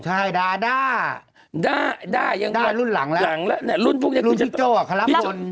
ใช่ดารุ่นหลังแล้วรุ่นพี่โจ๊กเขารับคน